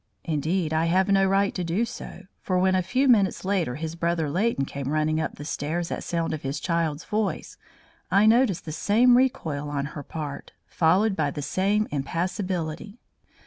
Indeed, I have no right to do so, for when a few minutes later his brother Leighton came running up the stairs at sound of his child's voice, I noticed the same recoil on her part, followed by the same impassibility.